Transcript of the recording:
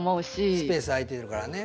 スペース空いてるからね。